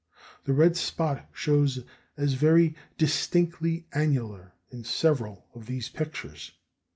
The red spot shows as "very distinctly annular" in several of these pictures.